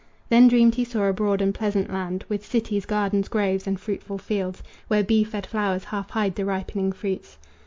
Then dreamed he saw a broad and pleasant land, With cities, gardens, groves and fruitful fields, Where bee fed flowers half hide the ripening fruits.